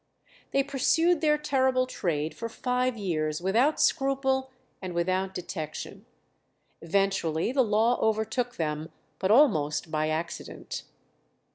They pursued their terrible trade for five years without scruple and without detection. Eventually the law overtook them, but almost by accident.